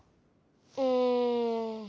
うん。